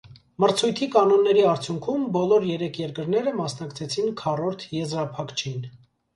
Մրցույթի կանոնների արդյունքում բոլոր երեք երկրները րմասնակցեցին քառորդ եզրափակչն։